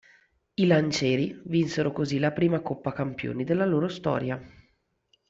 I "Lancieri" vinsero così la prima coppa campioni della loro storia.